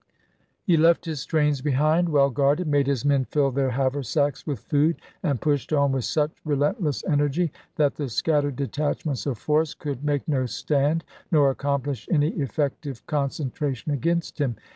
He left his trains behind, well guarded, made his men fill their haversacks with food, and pushed on with such relentless energy that the scattered detachments of Forrest could make no stand, nor accomplish any effective con centration against him.